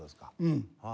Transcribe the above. うん。